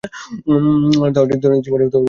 তাহা হইলেই দৈনন্দিন জীবনে ইহা অনুশীলন করিতে শিখিব।